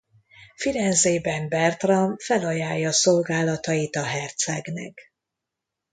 Firenzében Bertram felajánlja szolgálatait a Hercegnek.